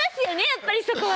やっぱりそこは。